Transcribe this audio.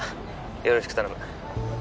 ☎よろしく頼む